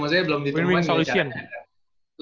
maksudnya belum ditemukan cara